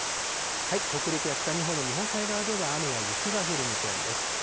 北陸や北日本の日本海側では、雨や雪が降る見込みです。